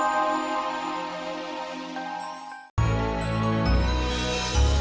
lu mau ngapasih lu